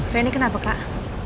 rendy kenapa kak